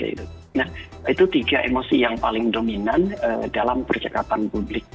itu tiga emosi yang paling dominan dalam percakapan publik